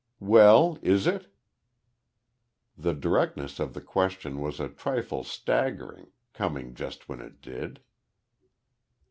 "Well, is it?" The directness of the question was a trifle staggering, coming just when it did.